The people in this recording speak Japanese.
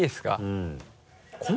うん。